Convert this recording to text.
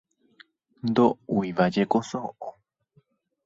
Ndoʼúivajeko soʼo.